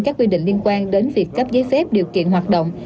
các quy định liên quan đến việc cấp giấy phép điều kiện hoạt động